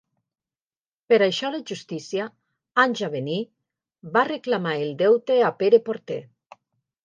Per això la justícia, anys a venir, va reclamar el deute a Pere Porter.